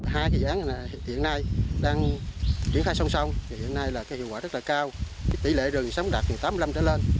hai dự án hiện nay đang triển khai song song thì hiện nay là hiệu quả rất là cao tỷ lệ rừng sống đạt từ tám mươi năm trở lên